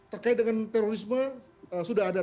terkait dengan terorisme sudah ada